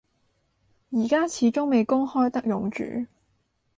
而家始終未公開得用住